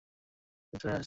আমি ভিতরে আসছি।